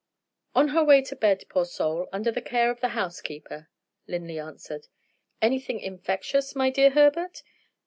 "On her way to bed, poor soul, under the care of the housekeeper," Linley answered. "Anything infectious, my dear Herbert?"